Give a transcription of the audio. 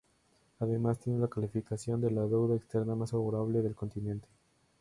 Además, tiene la calificación de la deuda externa más favorable del continente.